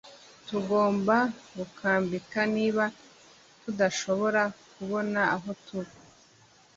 Tugomba gukambika niba tudashobora kubona aho tuba